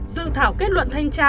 dự thảo kết luận thanh tra